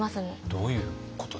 どういうことですか？